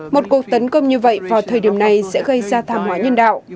một cuộc tấn công như vậy vào thời điểm này sẽ gây ra thảm họa nhân đạo